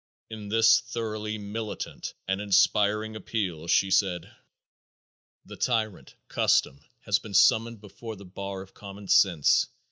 In this thoroughly militant and inspiring appeal she said: "The tyrant, Custom, has been summoned before the bar of Common Sense.